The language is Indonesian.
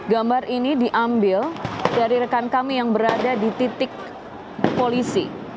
gambar ini diambil dari rekan kami yang berada di titik polisi